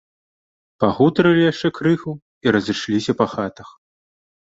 Пагутарылі яшчэ крыху і разышліся па хатах.